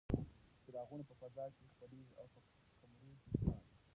څراغونه په فضا کې خپرېږي او په کمرو کې ښکاري.